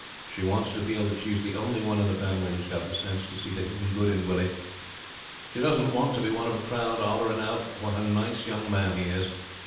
She wants to feel that she's the only one in the family that's got the sense to see the hidden good in Willie. She doesn't want to be one of a crowd hollering out what a nice young man he is.